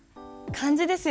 漢字です。